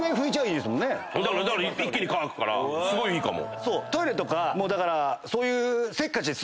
だから一気に乾くからすごいいいかも。